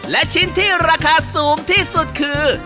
และชิ้นที่ราคาสูงที่สุดคือ